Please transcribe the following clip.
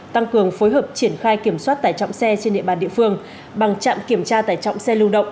tăng cường phối hợp triển khai kiểm soát tải trọng xe trên địa bàn địa phương bằng trạm kiểm tra tải trọng xe lưu động